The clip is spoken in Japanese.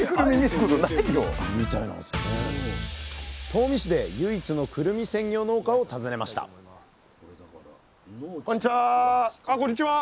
東御市で唯一のくるみ専業農家を訪ねましたこんにちは。